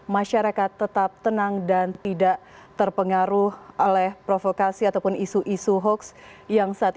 masyarakat tetap tenang dan tidak terpengaruh oleh provokasi ataupun isu isu hoax yang saat ini